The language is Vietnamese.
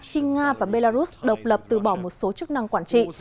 khi nga và belarus độc lập từ bỏ một số chức năng quản trị